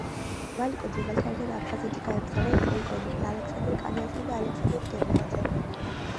ვალიკო ჯუღელთან ერთად აფხაზეთში გაემგზავრნენ პოლკოვნიკი ალექსანდრე კონიაშვილი და ალექსანდრე დგებუაძე.